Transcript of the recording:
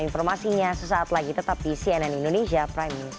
informasinya sesaat lagi tetap di cnn indonesia prime news